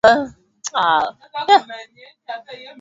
Chris anacheka vizuri